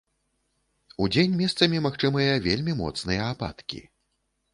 Удзень месцамі магчымыя вельмі моцныя ападкі.